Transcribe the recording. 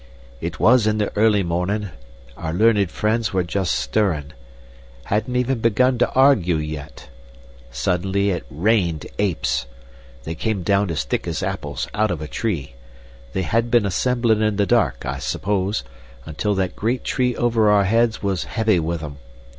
"It was in the early mornin'. Our learned friends were just stirrin'. Hadn't even begun to argue yet. Suddenly it rained apes. They came down as thick as apples out of a tree. They had been assemblin' in the dark, I suppose, until that great tree over our heads was heavy with them.